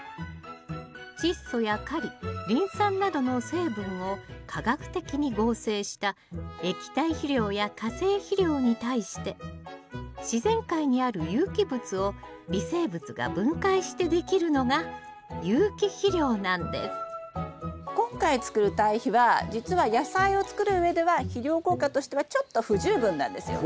チッ素やカリリン酸などの成分を化学的に合成した液体肥料や化成肥料に対して自然界にある有機物を微生物が分解してできるのが有機肥料なんです今回つくる堆肥は実は野菜を作るうえでは肥料効果としてはちょっと不十分なんですよ。